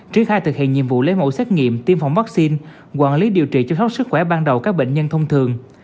triết khai thực hiện nhiệm vụ lấy mẫu xét nghiệm tiêm phòng vaccine quản lý điều trị chăm sóc sức khỏe ban đầu các bệnh nhân thông thường